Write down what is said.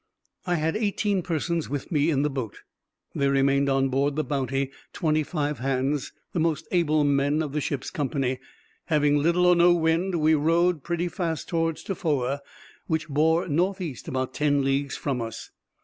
I had eighteen persons with me in the boat. There remained on board the Bounty twenty five hands, the most able men of the ship's company. Having little or no wind, we rowed pretty fast towards Tofoa, which bore north east about ten leagues from us.